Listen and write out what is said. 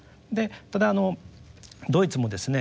ただドイツもですね